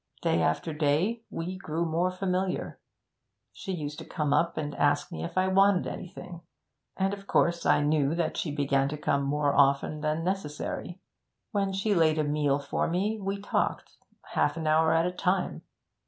Day after day we grew more familiar. She used to come up and ask me if I wanted anything; and of course I knew that she began to come more often than necessary. When she laid a meal for me, we talked half an hour at a time.